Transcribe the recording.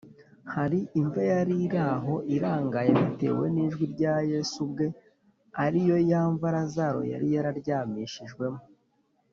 hari imva yari iraho irangaye bitewe n’ijwi rya yesu ubwe, ari yo ya mva lazaro yari yararyamishijwemo